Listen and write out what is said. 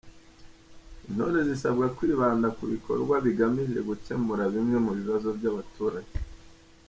Intore zirasabwa kwibanda ku bikorwa bigamije gukemura bimwe mu bibazo by’abaturage